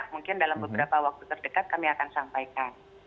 mungkin dalam beberapa waktu terdekat kami akan sampaikan